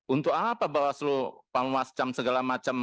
untuk apa bawaslu panguas cam segala macam